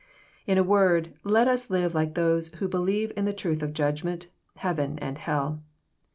In a word, let us live like those who believe in the truth of judgment, heaven, and hell.